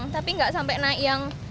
tapi nggak sampai naik yang